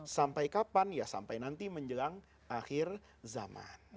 sampai kapan ya sampai nanti menjelang akhir zaman